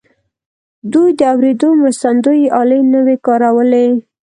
دوی د اورېدو مرستندويي الې نه وې کارولې.